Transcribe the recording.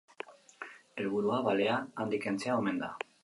Helburua balea handik kentzea omen da.